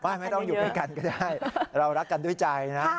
ไม่ต้องอยู่ด้วยกันก็ได้เรารักกันด้วยใจนะ